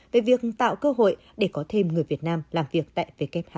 về việc tạo cơ hội để có thêm người việt nam làm việc tại who